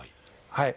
はい。